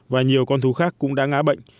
và nhiều con thú khác cũng đã ngã bệnh